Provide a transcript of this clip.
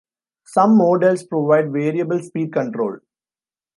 Some models provide variable speed control.